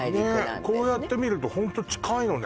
っこうやって見るとホント近いのね